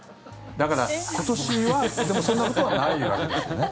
だから、今年はそんなことはないわけですよね？